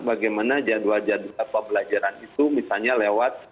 bagaimana jadwal jadwal pembelajaran itu misalnya lewat